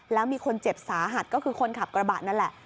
แล้วมีคนเจ็บสาหัสก็คือคนขับกระบะนั่นแหละ